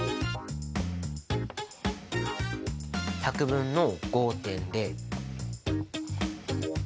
１００分の５．０。